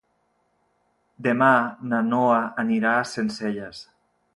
Demà na Noa anirà a Sencelles.